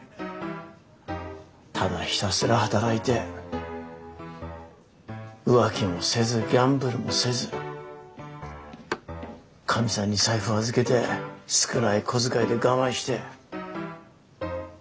ただひたすら働いて浮気もせずギャンブルもせずカミさんに財布を預けて少ない小遣いで我慢して。